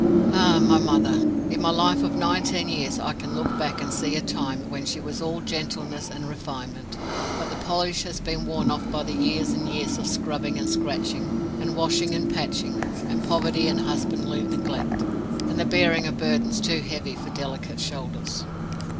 Ah, my mother! In my life of nineteen years I can look back and see a time when she was all gentleness and refinement, but the polish has been worn off it by years and years of scrubbing and scratching, and washing and patching, and poverty and husbandly neglect, and the bearing of burdens too heavy for delicate shoulders.